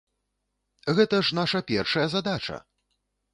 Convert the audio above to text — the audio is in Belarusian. Гэта ж наша першая задача!